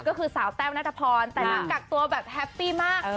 ก็คือสาวแต้วนัทพรแต่นางกักตัวแบบแฮปปี้มาก